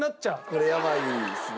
これやばいですね。